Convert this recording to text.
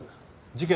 事件